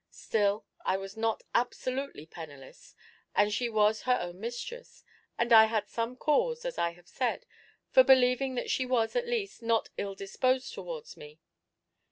Still, I was not absolutely penniless, and she was her own mistress, and I had some cause, as I have said, for believing that she was, at least, not ill disposed towards me.